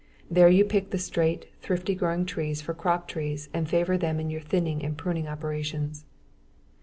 There you pick the straight, thrifty growing trees for crop trees and favor them in your thinning and pruning operations.